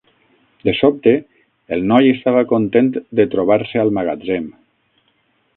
De sobte, el noi estava content de trobar-se al magatzem.